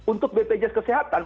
untuk bpjs kesehatan